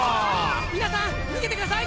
皆さん逃げてください！